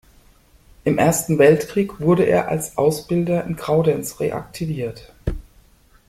Im Ersten Weltkrieg wurde er als Ausbilder in Graudenz reaktiviert.